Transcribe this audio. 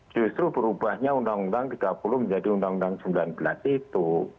justru berubahnya undang undang tiga puluh menjadi undang undang sembilan belas itu